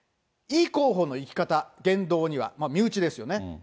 イ候補の生き方、言動には、身内ですよね。